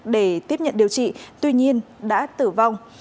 để tiếp nhận điều trị tuy nhiên đã tử vong